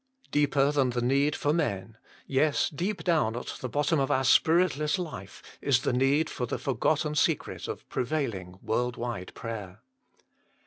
Deeper than the need for men ay, deep down at the bottom of our spiritless life is the need for the forgotten secret of prevailing, world wide prayer."